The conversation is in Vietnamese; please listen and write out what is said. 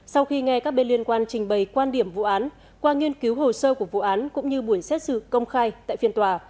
sau khi nghe các bên liên quan trình bày quan điểm vụ án qua nghiên cứu hồ sơ của vụ án cũng như buổi xét xử công khai tại phiên tòa